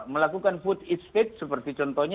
melakukan food estate seperti contohnya